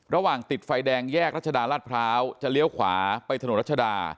ติดไฟแดงแยกรัชดาราชพร้าวจะเลี้ยวขวาไปถนนรัชดา